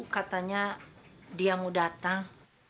katanya dia mau datang